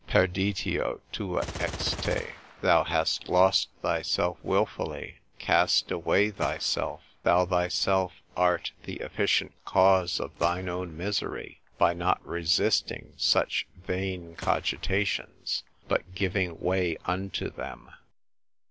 Perditio tua ex te; thou hast lost thyself wilfully, cast away thyself, thou thyself art the efficient cause of thine own misery, by not resisting such vain cogitations, but giving way unto them.